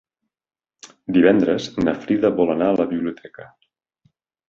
Divendres na Frida vol anar a la biblioteca.